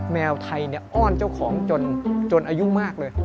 แมวไทยอ้อนเจ้าของจนอายุมากเลย